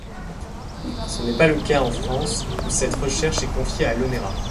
Ce n'est pas le cas en France où cette recherche est confiée à l'Onera.